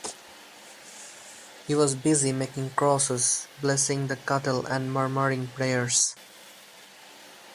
He was busy making crosses, blessing the cattle, and murmuring prayers.